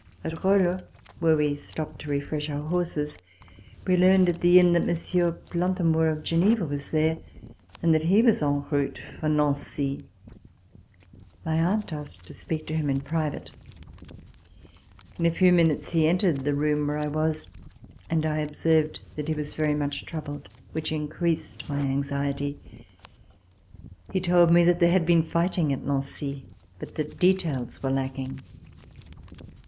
At Rolle, where we stopped to refresh our horses, we learned at the inn that Monsieur Plantamour of Geneva was there and that he was en route for Nancy. My aunt asked to speak to him in private. In a few minutes he entered the room where I was, and I observed that he was very much troubled, which increased my anxiety. He told me that there had been fighting at Nancy, but that details were lacking.